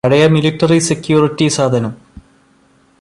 പഴയ military security സാധനം